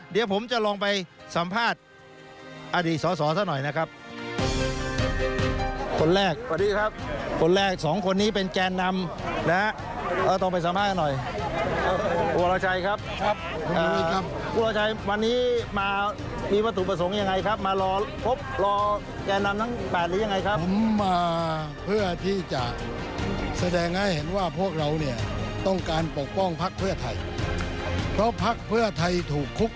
เดี๋ยวผมจะลองไปสัมภาษณ์อดีตสอสอซะหน่อยนะครับ